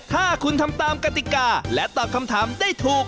ถ้าคุณทำตามกติกาและตอบคำถามได้ถูก